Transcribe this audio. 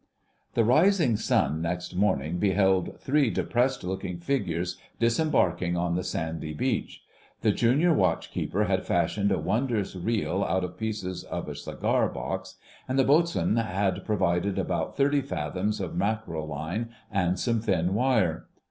The rising sun next morning beheld three depressed looking figures disembarking on the sandy beach. The Junior Watch keeper had fashioned a wondrous reel out of pieces of a cigar box, and the Boatswain had provided about thirty fathoms of mackrel line and some thin wire.